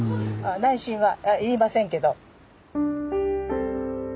内心は言いませんけど。